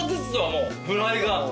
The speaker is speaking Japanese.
もうフライが。